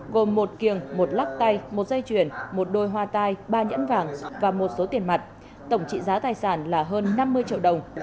gồm một kiềng một lắc tay một dây chuyển một đôi hoa tai ba nhẫn vàng và một số tiền mặt tổng trị giá tài sản là hơn năm mươi triệu đồng